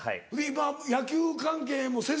今野球関係もせず？